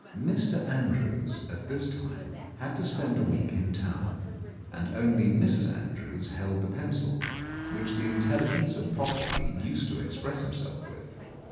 Mr. Andrews at this time had to spend a week in town, and only Mrs. Andrews held the pencil which the intelligence of Pocksky used to express himself with.